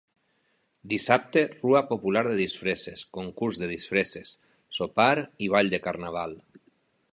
Dissabte rua popular de disfresses, concurs de disfresses, sopar i ball de Carnaval.